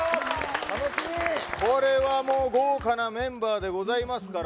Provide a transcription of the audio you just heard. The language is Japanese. これは豪華なメンバーでございますから。